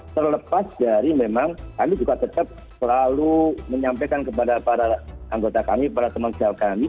terlepas dari memang kami juga tetap selalu menyampaikan kepada para anggota kami para teman jawab kami